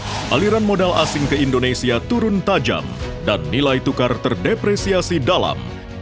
pada semester satu dua ribu dua puluh aliran modal asing ke indonesia turun tajam dan nilai tukar terdepresiasi dalam